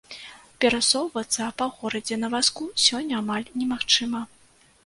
Перасоўвацца па горадзе на вазку сёння амаль немагчыма.